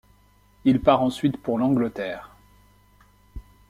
Il part ensuite pour l’Angleterre.